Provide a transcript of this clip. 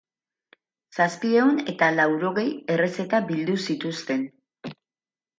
Zazpiehun eta laurogei errezeta bildu zituzten.